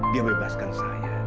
dia bebaskan saya